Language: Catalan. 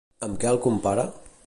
Amb què el compara?